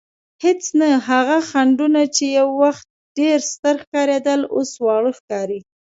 هېڅ نه، هغه خنډونه چې یو وخت ډېر ستر ښکارېدل اوس واړه ښکاري.